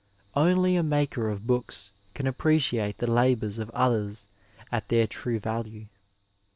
Only a maker of books can appreciate the labours of others at their true value.